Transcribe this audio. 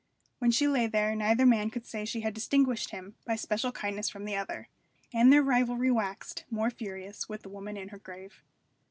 When she lay there neither man could say she had distinguished him by special kindness from the other. And their rivalry waxed more furious with the woman in her grave.